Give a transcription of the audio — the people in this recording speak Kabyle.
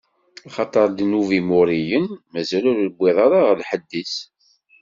Axaṭer ddnub n Imuriyen mazal ur iwwiḍ ara ɣer lḥedd-is.